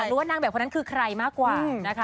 รู้ว่านางแบบคนนั้นคือใครมากกว่านะคะ